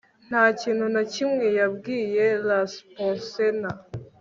Nta kintu na kimwe yabwiye Lars Porsena